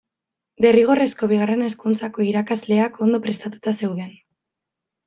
Derrigorrezko Bigarren Hezkuntzako irakasleak ondo prestatuta zeuden.